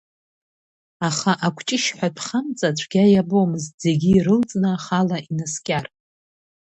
Аха акәҷышь ҳәатәхамҵа цәгьа иабомызт зегьы ирылҵны ахала инаскьар.